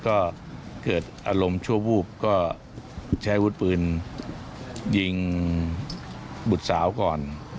ก็เกิดอารมณ์ชั่ววูบก็ใช้วุฒิปืนยิงบุตรสาวก่อน